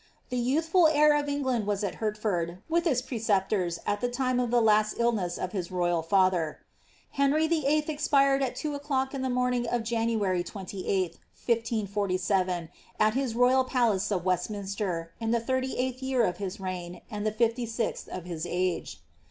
The youthful heir of England was at Hertford, with his pre ceptors, at the time of the last illness of his royal father. Henry VIII. expired at two o'clock in the morning of January 28th« 1547, at his royal palace of Westminster, in the thirty eighth year of his reign, and the fifty sixth of his age.